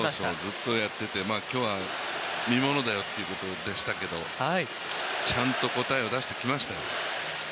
ずっとやっていて今日は見物だよといっていましたがちゃんと答えを出してくれましたよね。